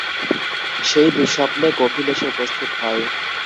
সেই দুঃস্বপ্নে কফিল এসে উপস্থিত হয়।